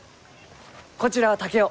こちらは竹雄。